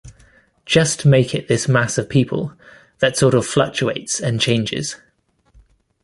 Just make it this mass of people, that sort of fluctuates and changes.